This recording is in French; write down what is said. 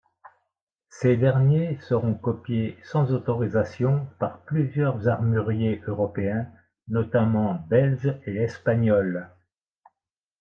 Ces derniers seront copiés sans autorisation par plusieurs armuriers européens, notamment belges et espagnols.